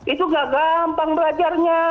itu gak gampang belajarnya